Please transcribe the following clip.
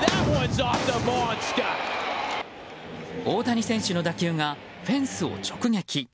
大谷選手の打球がフェンスを直撃。